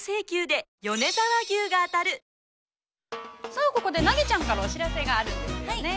◆さあ、ここでナギちゃんからお知らせがあるんですよね。